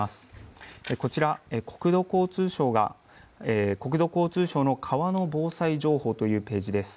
こちら国土交通省の川の防災情報というページです。